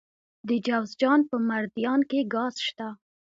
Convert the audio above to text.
د جوزجان په مردیان کې ګاز شته.